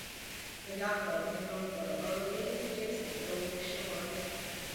A yacht club and rowing club are located adjacent to the lake's shore.